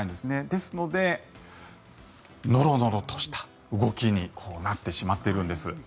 ですので、ノロノロとした動きになってしまっているんです。